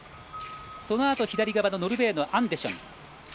そのあとノルウェーのアンデシェン。